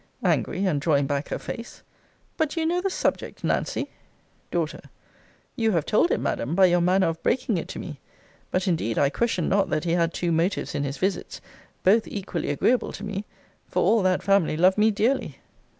[angry, and drawing back her face]. But do you know the subject, Nancy? D. You have told it, Madam, by your manner of breaking it to me. But, indeed, I question not that he had two motives in his visits both equally agreeable to me; for all that family love me dearly.